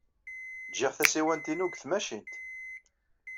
Jjiɣ tasiwant-inu deg tmacint.